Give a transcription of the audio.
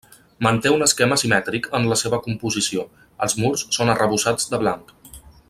Manté un esquema simètric en la seva composició, els murs són arrebossats de blanc.